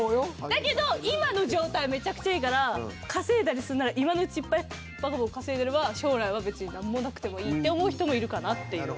だけど今の状態めちゃくちゃいいから稼いだりするなら今のうちいっぱいバカバカ稼いでれば将来は別に何もなくてもいいって思う人もいるかなっていう。